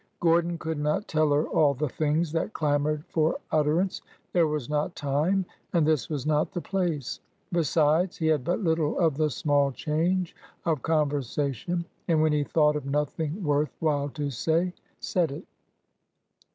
" Gordon could not tell her all the things that clamored for utterance. There was not time, and this was not the place. Besides, he had but little of the small change of conversation, and when he thought of nothing worth while to say, said it.